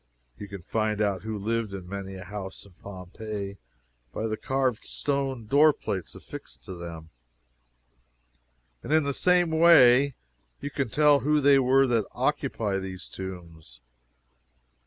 You can find out who lived in many a house in Pompeii by the carved stone door plates affixed to them: and in the same way you can tell who they were that occupy the tombs.